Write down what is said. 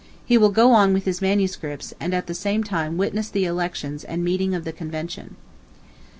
He will go on with his manuscripts, and at the same time witness the elections and meeting of the Convention.